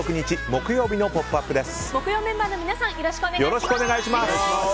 木曜メンバーの皆さんよろしくお願いします。